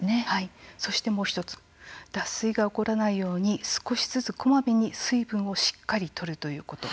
そして、もう１つ脱水が起こらないように少しずつこまめに水分をしっかりとるということ。